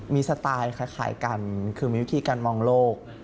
มีสไตล์คล้ายกันคือมีวิธีการมองโลก